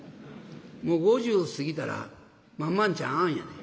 もう５０過ぎたら「まんまんちゃんあん」やで。